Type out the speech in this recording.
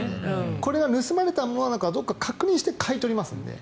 これは盗まれたものなのかどうか確認して買い取りますので。